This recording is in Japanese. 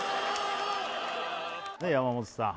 山本さん